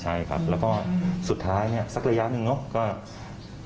ใช่ครับและสุดท้ายสักระยะหนึ่งเนาะ